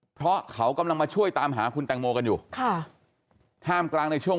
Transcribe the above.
เพราะเขากำลังมาช่วยตามหาคุณแตงโมกันอยู่ค่ะท่ามกลางในช่วง